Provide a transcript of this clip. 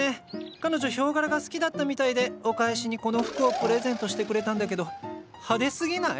彼女ヒョウ柄が好きだったみたいでお返しにこの服をプレゼントしてくれたんだけど派手すぎない？